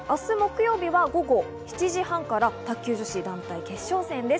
明日木曜日は午後７時半から卓球女子団体決勝戦です。